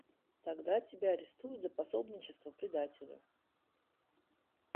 Тогда тебя арестуют за пособничество предателю.